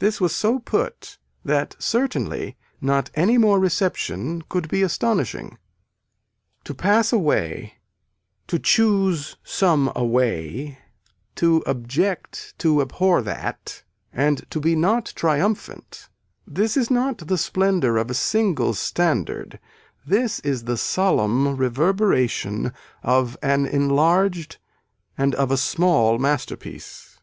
This was so put that certainly not any more reception could be astonishing. To pass away, to choose some away, to object to abhor that and to be not triumphant this is not the splendor of a single standard this is the solemn reverberation of an enlarged and of a small masterpiece.